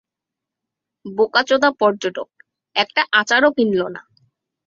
বোকাচোদা পর্যটক, একটা আচার ও কিনলো না।